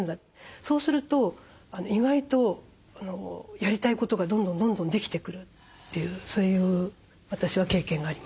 そうすると意外とやりたいことがどんどんどんどんできてくるというそういう私は経験があります。